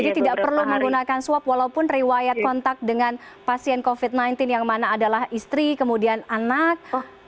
jadi tidak perlu menggunakan swab walaupun riwayat kontak dengan pasien covid sembilan belas yang mana adalah istri kemudian anak